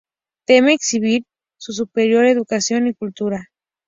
Teme exhibir su superior educación y cultura.